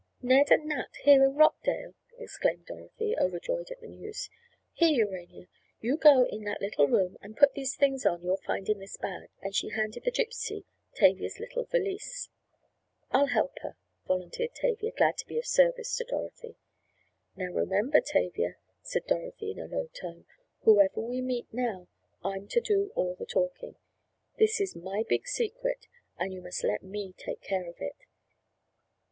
"Ned and Nat here in Rockdale!" exclaimed Dorothy, overjoyed at the news. "Here, Urania, you go in that little room and put these things on you'll find in this bag," and she handed the Gypsy Tavia's little valise. "I'll help her," volunteered Tavia, glad to be of service to Dorothy. "Now remember, Tavia," said Dorothy in a low tone, "whoever we meet now I'm to do all the talking. This is my big secret and you must let me take care of it.